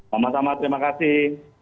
sama sama terima kasih